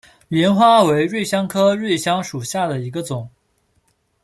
芫花为瑞香科瑞香属下的一个种。